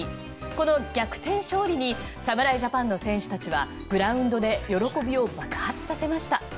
この逆転勝利に侍ジャパンの選手たちはグラウンドで喜びを爆発させました。